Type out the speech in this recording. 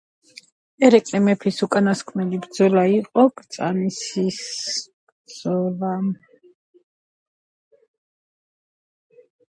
გასათვალისწინებელია, რომ ხშირად ავთვისებიანი სიმსივნე ვითარდება ხანგრძლივი კეთილთვისებიანი ჩიყვის ფონზე.